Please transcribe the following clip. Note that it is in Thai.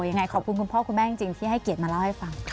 ยังไงขอบคุณคุณพ่อคุณแม่จริงที่ให้เกียรติมาเล่าให้ฟัง